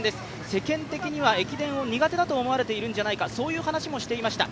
世間的には駅伝を苦手と思われているんじゃないかという話をしていました。